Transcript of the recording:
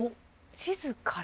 地図から。